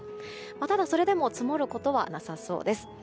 ただ、それでも積もることはなさそうです。